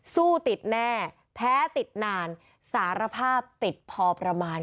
สู้ติดแน่แพ้ติดนานสารภาพติดพอประมาณ